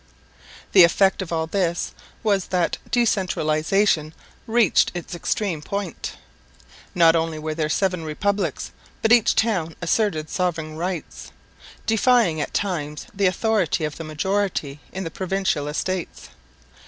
The effect of all this was that decentralisation reached its extreme point. Not only were there seven republics, but each town asserted sovereign rights, defying at times the authority of the majority in the Provincial Estates.